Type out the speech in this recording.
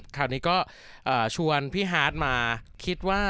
คราวนี้ก็ชวนพี่ฮาร์ดมาคิดว่า